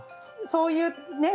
そういうね？